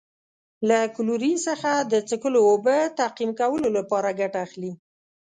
له کلورین څخه د څښلو اوبو تعقیم کولو لپاره ګټه اخلي.